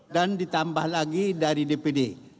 dan ditambah lagi dari dpd